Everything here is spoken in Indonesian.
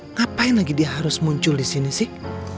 ngapain lagi dia harus muncul disini sih